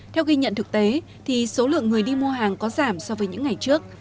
theo ghi nhận thực tế thì số lượng người đi mua hàng có giảm so với những ngày trước